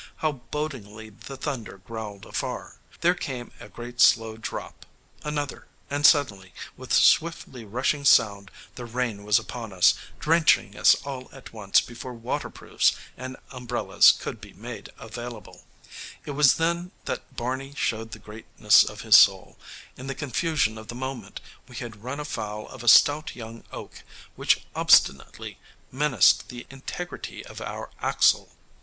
how bodingly the thunder growled afar! There came a great slow drop: another, and suddenly, with swiftly rushing sound, the rain was upon us, drenching us all at once before waterproofs and umbrellas could be made available. [Illustration: "NOT ALL THE BLANDISHMENTS OF THE SMALL BOY AVAILED."] It was then that Barney showed the greatness of his soul. In the confusion of the moment we had run afoul of a stout young oak, which obstinately menaced the integrity of our axle.